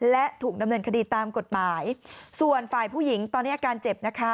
และถูกดำเนินคดีตามกฎหมายส่วนฝ่ายผู้หญิงตอนนี้อาการเจ็บนะคะ